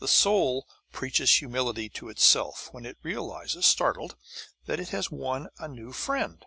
The soul preaches humility to itself when it realizes, startled, that it has won a new friend.